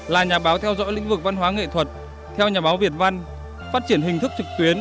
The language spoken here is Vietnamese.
là nhà báo theo dõi lĩnh vực văn hóa nghệ thuật theo nhà báo việt văn phát triển hình thức trực tuyến